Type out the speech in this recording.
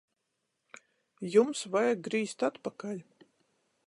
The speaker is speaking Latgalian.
Jums vajag grīzt atpakaļ!